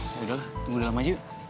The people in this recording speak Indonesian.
yaudah lah tunggu udah lama aja yuk